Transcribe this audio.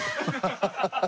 ハハハハハ。